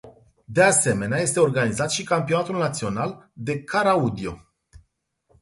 De asemenea este organizat și campionatul național de car-audio.